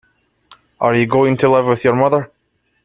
Are you going to live with your mother?